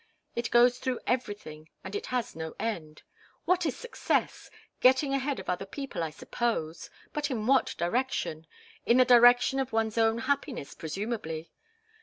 It goes through everything, and it has no end. What is success? Getting ahead of other people, I suppose. But in what direction? In the direction of one's own happiness, presumably.